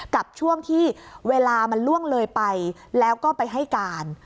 กับช่วงที่เวลามันล่วงเลยไปแล้วก็ไปให้การ